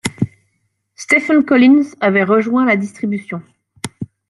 Stephen Collins avait rejoint la distribution.